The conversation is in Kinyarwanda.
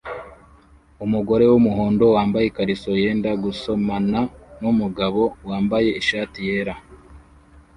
Umugore wumuhondo wambaye ikariso yenda gusomana numugabo wambaye ishati yera